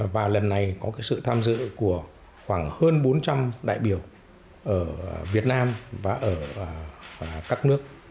và lần này có sự tham dự của khoảng hơn bốn trăm linh đại biểu ở việt nam và ở các nước